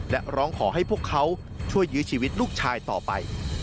และร้องขอให้พวกเขาช่วยยื้อชีวิตลูกชายต่อไป